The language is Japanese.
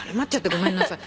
ごめんなさい。